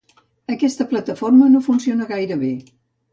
Aquesta plataforma no funciona gaire bé.